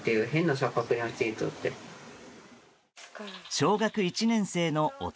小学１年生の弟